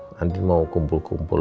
nanti mau kumpul kumpul